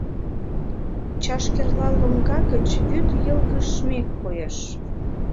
Чашкерла лоҥга гыч вӱд йылгыжме коеш.